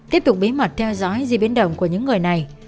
tiếp tục bí mật theo dõi di biến động của những người này